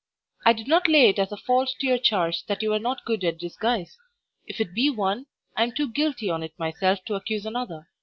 SIR, I did not lay it as a fault to your charge that you were not good at disguise; if it be one, I am too guilty on't myself to accuse another.